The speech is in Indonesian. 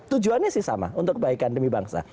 tujuannya sih sama untuk kebaikan demi bangsa